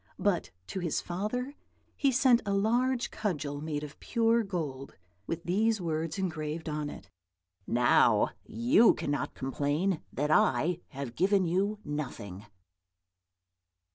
But to his father he sent a large cudgel made of pure gold, with these words engraved on it: 'Now you cannot complain that I have given you nothing!'"